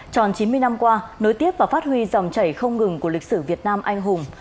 tròn chín mươi năm qua nối tiếp và phát huy dòng chảy không ngừng của lịch sử việt nam anh hùng